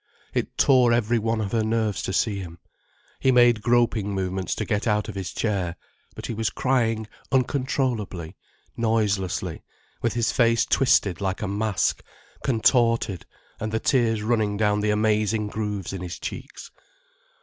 It tore every one of her nerves to see him. He made groping movements to get out of his chair. But he was crying uncontrollably, noiselessly, with his face twisted like a mask, contorted and the tears running down the amazing grooves in his cheeks.